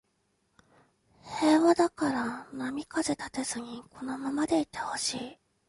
平和だから波風立てずにこのままでいてほしい